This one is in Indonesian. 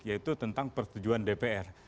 yaitu tentang pertujuan dpr